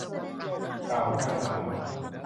กล่าวถึงนางหมาขาว